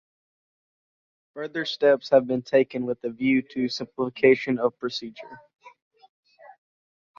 Further steps have been taken with a view to simplification of procedure.